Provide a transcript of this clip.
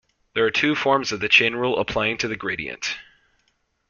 There are two forms of the chain rule applying to the gradient.